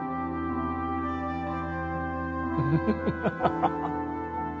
フフフハハハハ。